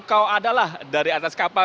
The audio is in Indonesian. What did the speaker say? kau adalah dari atas kapal